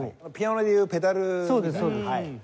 ピアノでいうペダルみたいな。